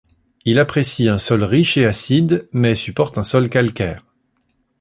Il apprécie un sol riche et acide mais supporte un sol calcaire.